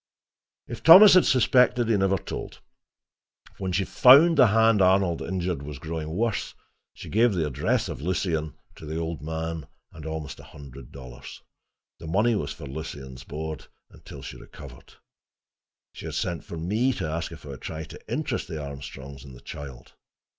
If Thomas had suspected, he had never told. When she found the hand Arnold had injured was growing worse, she gave the address of Lucien at Richfield to the old man, and almost a hundred dollars. The money was for Lucien's board until she recovered. She had sent for me to ask me if I would try to interest the Armstrongs in the child.